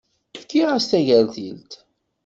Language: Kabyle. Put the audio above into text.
Fkiɣ-as tagertilt.